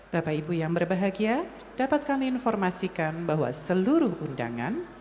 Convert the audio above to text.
bapak ibu yang berbahagia dapat kami informasikan bahwa seluruh undangan